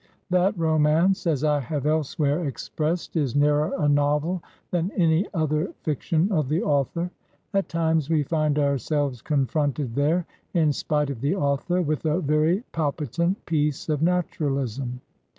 That romance, as I have elsewhere expressed, is nearer a novel than any other fiction of the author. At times we find ourselves confronted there, in spite of the author, with a very palpitant piece of naturalism.